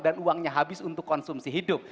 dan uangnya habis untuk konsumsi hidup